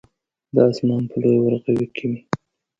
د اسمان په لوی ورغوي کې مې